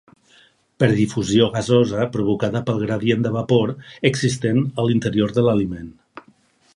Per difusió gasosa provocada pel gradient de vapor existent a l'interior de l'aliment.